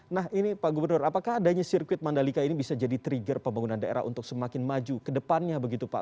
nah ini pak gubernur apakah adanya sirkuit mandalika ini bisa jadi trigger pembangunan daerah untuk semakin maju ke depannya begitu pak